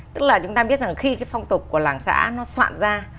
tức là chúng ta biết rằng khi cái phong tục của làng xã nó soạn ra